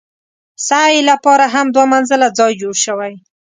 سعې لپاره هم دوه منزله ځای جوړ شوی.